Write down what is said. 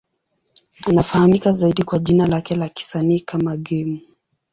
Anafahamika zaidi kwa jina lake la kisanii kama Game.